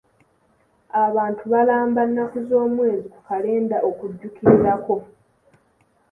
Abantu balamba nnaku z'omwezi ku kalenda okujjukirirako.